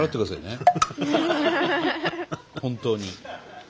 本当に。